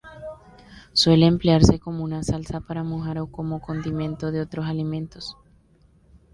Suele emplearse como una salsa para mojar o como condimento de otros alimentos.